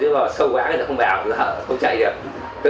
cứ đòi vào phòng một chứ mà sâu quá người ta không báo nên là không cháy được